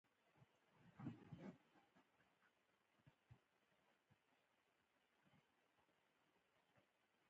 د مېړه لوز ګوره د ښځې ښایست د جنسیتي معیارونو توپیر ښيي